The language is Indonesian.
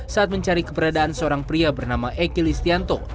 saat mencari keberadaan seorang pria bernama eky listianto